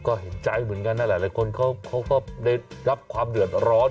ก็เห็นใจเหมือนกันนะหลายคนเขาก็ได้รับความเดือดร้อน